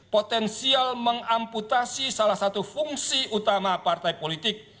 potensial mengamputasi salah satu fungsi utama partai politik